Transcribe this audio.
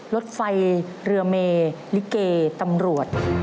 รถไฟเรือเมลิเกตำรวจ